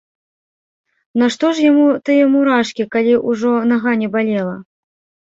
Нашто ж яму тыя мурашкі, калі ўжо нага не балела.